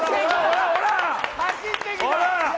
走ってきた。